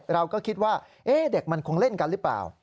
เราก็คิดว่าเด็กมันคงเล่นกันหรือเปล่า